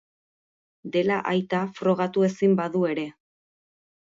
Dela aita, frogatu ezin badu ere.